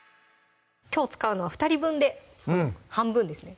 きょう使うのは２人分で半分ですね